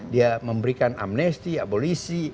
dia memberikan amnesti abolisi